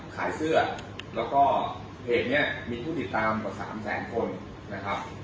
ขายเสื้อแล้วก็เพจนี้มีผู้ติดตามกว่า๓แสนคนนะครับ